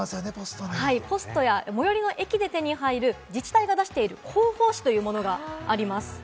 ポストや最寄の駅で手に入る自治体が出している広報誌というものがあります。